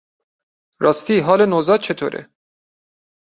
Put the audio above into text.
راستی حال نوزاد چطوره؟